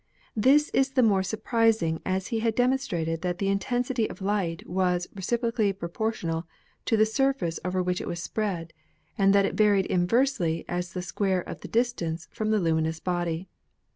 This is the more surprising as he had demonstrated that the intensity of light was recipro cally proportional to the surface over which it was spread and that it varied inversely as the square of the distance from the luminous body.